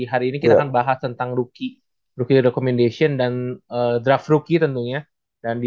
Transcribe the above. hari ini kita akan bahas tentang rookie rookie recommendation dan draft rookie tentunya dan di